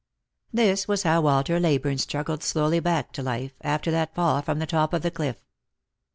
This was how Walter Leyburne struggled slowly back to life, after that fall from the top of the cliff.